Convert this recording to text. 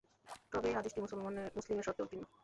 তবে এ হাদীসটি মুসলিমের শর্তে উত্তীর্ণ।